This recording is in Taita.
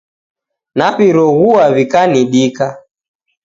Naw'iroghua w'ikanidika